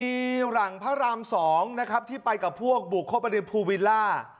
มีหลังพระรามสองนะครับที่ไปกับพวกบุคคบริภูวิลล่า